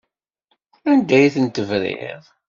Anda ay ten-tebriḍ?